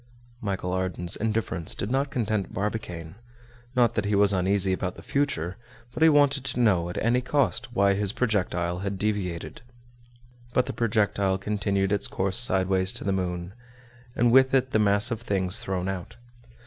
Michel Ardan's indifference did not content Barbicane. Not that he was uneasy about the future, but he wanted to know at any cost why his projectile had deviated. But the projectile continued its course sideways to the moon, and with it the mass of things thrown out.